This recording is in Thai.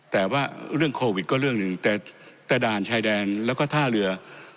แต่ว่าเรื่องโควิดก็เรื่องหนึ่งแต่ด่านชายแดนแล้วก็ท่าเรือ